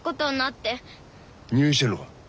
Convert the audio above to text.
入院してるのか？